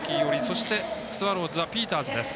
そして、スワローズはピーターズです。